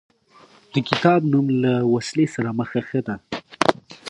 د کتاب نوم له وسلې سره مخه ښه دی.